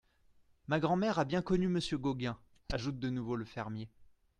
Ma grand’mère a bien connu Monsieur Gauguin, ajoute de nouveau le fermier.